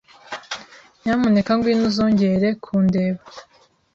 Nyamuneka ngwino uzongere kundeba.